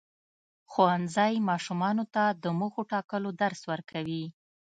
ښوونځی ماشومانو ته د موخو ټاکلو درس ورکوي.